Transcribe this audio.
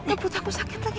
aduh aku sakit lagi